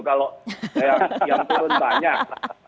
kalau yang turun banyak